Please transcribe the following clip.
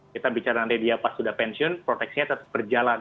kita bicara nanti dia pas sudah pensiun proteksinya tetap berjalan